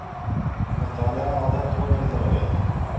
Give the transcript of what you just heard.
مطالعه عادت وګرځوئ.